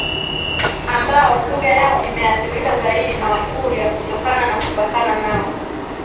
ambao lugha yao imeathirika zaidi na Wakurya kutokana na kupakana nao